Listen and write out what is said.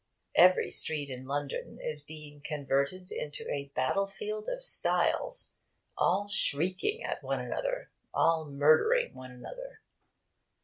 Every street in London is being converted into a battlefield of styles, all shrieking at one another, all murdering one another.